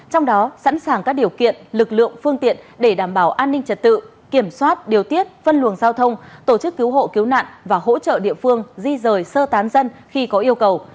trong đó sẵn sàng các điều kiện lực lượng phương tiện để đảm bảo an ninh trật tự kiểm soát điều tiết phân luồng giao thông tổ chức cứu hộ cứu nạn và hỗ trợ địa phương di rời sơ tán dân khi có yêu cầu